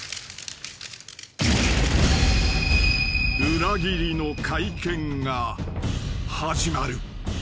［裏切りの会見が始まる］